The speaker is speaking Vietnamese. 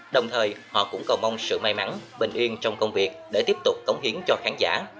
đồng thời họ cũng cầu mong sự may mắn bình yên trong công việc để tiếp tục cống hiến cho khán giả